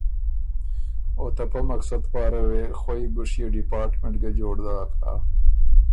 او ته پۀ مقصد پاره وې خوئ ګشيې ډیپارټمنټ ګۀ جوړ داک هۀ